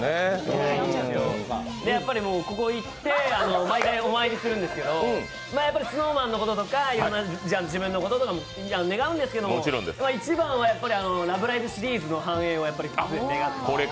ここ行って、毎回お参りするんですけど、ＳｎｏｗＭａｎのこととか自分のことも願うんですけど、一番は、「ラブライブ！」シリーズの繁栄を願って。